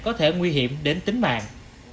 đỡ nguy hiểm đến tính mạng